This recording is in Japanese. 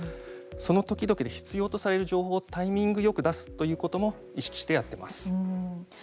その時々で必要とされる情報をタイミングよく出すということも意識してやってます。